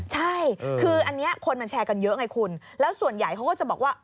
ใช่คืออันนี้คนมันแชร์กันเยอะไงคุณแล้วส่วนใหญ่เขาก็จะบอกว่า